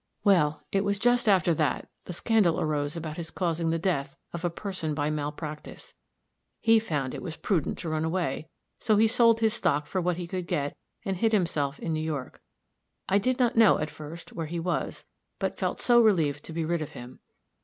"Well, it was just after that the scandal arose about his causing the death of a person by malpractice. He found it was prudent to run away; so he sold his stock for what he could get, and hid himself in New York. I did not know, at first, where he was; but felt so relieved to be rid of him.